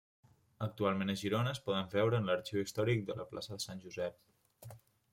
Actualment a Girona es poden veure en l'Arxiu Històric de la Plaça Sant Josep.